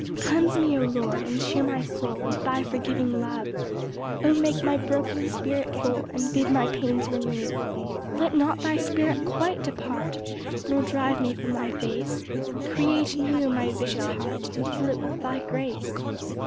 5 Cleanse me, O Lord, and cheer my soul With thy forgiving love; O, make my broken spirit whole, And bid my pains remove. 6 Let not thy Spirit quite depart, Nor drive me from thy face; Create anew my vicious heart, And fill it with thy grace.